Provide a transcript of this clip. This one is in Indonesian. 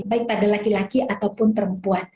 baik pada laki laki ataupun perempuan